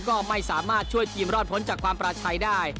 ก็ไม่สามารถช่วยทีมรอดพ้นจากความประชัยได้